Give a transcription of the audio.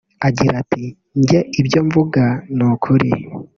Agira ati “Nge ibyo mvuga ni ukuri